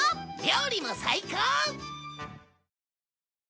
料理も最高！